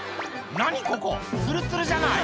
「何ここツルッツルじゃない！」